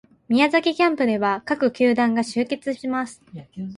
宮崎キャンプでは各球団が集結します